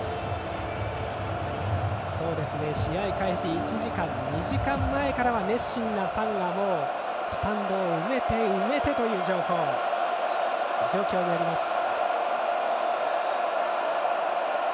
試合開始の１時間、２時間前からは熱心なファンがスタンドを埋めて埋めてという状況になりました。